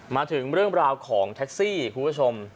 มาถึงเรื่องราวของแท็กซี่คุณผู้ชม